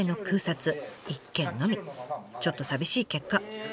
ちょっと寂しい結果。